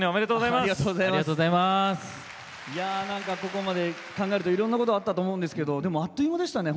いやなんかここまで考えるといろんなことあったと思うんですけどあっという間でしたね